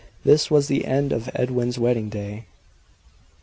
This was the end of Edwin's wedding day.